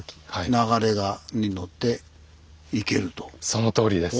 そのとおりです。